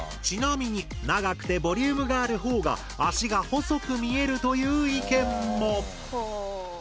ちなみに長くてボリュームがある方が足が細く見えるという意見も。